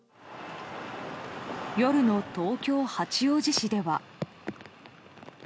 夜の東京・八王子市では。